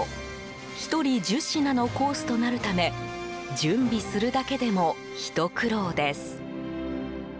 １人１０品のコースとなるため準備するだけでもひと苦労です。